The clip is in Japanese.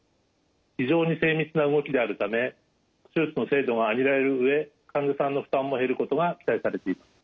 非常に精密な動きであるため手術の精度があげられる上患者さんの負担も減ることが期待されています。